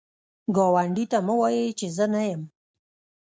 ګاونډي ته مه وایی چې زه نه یم